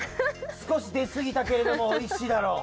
すこしですぎたけれどもおいしいだろう。